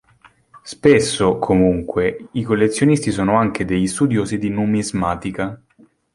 Spesso, comunque, i collezionisti sono anche degli studiosi di numismatica.